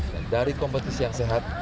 dan dari kompetisi yang sehat